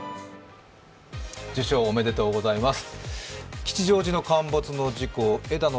受章おめでとうございます。